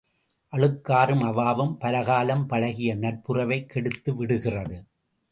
அழுக்காறும் அவாவும் பலகாலும் பழகிய நட்புறவைக் கெடுத்து விடுகிறது.